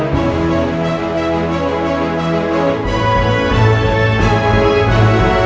saya terima lamaran saya